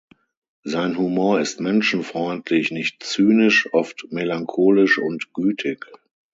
Sein Humor ist menschenfreundlich, nicht zynisch, oft melancholisch und gütig.